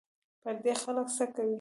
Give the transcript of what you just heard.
پردي خلک څه کوې